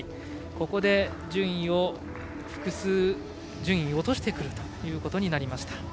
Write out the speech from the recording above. ここで順位を複数落としてくることになりました。